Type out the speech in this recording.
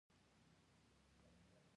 سخاوت ملګرتیا کلکوي.